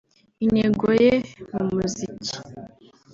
Intego ye mu muziki